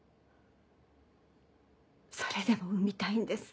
それでも産みたいんです。